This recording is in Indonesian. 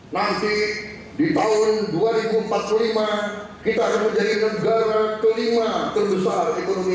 nanti di tahun dua ribu empat puluh lima kita akan menjadi negara kelima terbesar ekonomi